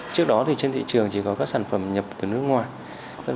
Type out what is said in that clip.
trước đó trên thị trường chỉ có các sản phẩm nhập từ nước ngoài